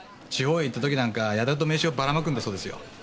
地方へ行った時なんかやたらと名刺をばらまくんだそうですよ。